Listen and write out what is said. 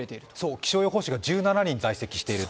気象予報士が１７人在籍しているって。